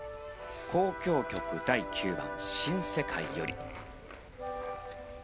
交響曲第９番「新世界」より。